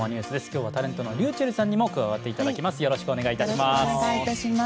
今日はタレントのｒｙｕｃｈｅｌｌさんにも加わっていただきます。